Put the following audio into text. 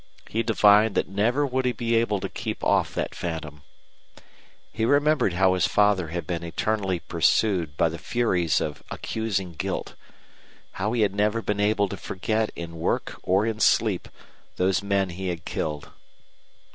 He divined that never would he be able to keep off that phantom. He remembered how his father had been eternally pursued by the furies of accusing guilt, how he had never been able to forget in work or in sleep those men he had killed.